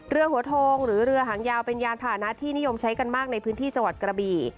เรือหัวโทงหรือเรือหางยาวเป็นยานผ่านะที่นิยมใช้กันมากในพื้นที่จังหวัดกระบี่